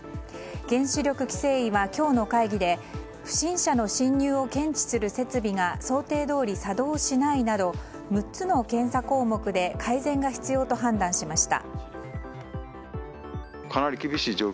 原子力規制委は今日の会議で不審者の侵入を検知する設備が想定どおり作動しないなど６つの検査項目で改善が必要と判断しました。